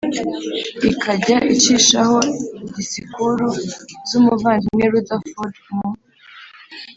ikajya icishaho disikuru z umuvandimwe Rutherford mu